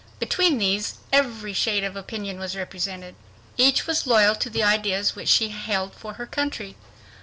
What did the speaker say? Between these, every shade of opinion was represented. Each was loyal to the ideas which she held for her country.